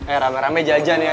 eh rame rame jajan ya